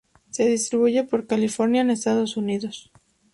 Se distribuye por California en Estados Unidos.